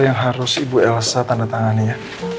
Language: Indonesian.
yang harus ibu elsa tandatangani ya